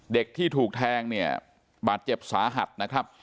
เด็กที่ถูกแทงเนี่ยบาดเจ็บสาหัสนะครับ